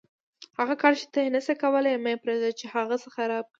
هغه کار چې ته یې نشې کولای مه پرېږده چې هغه څه خراب کړي.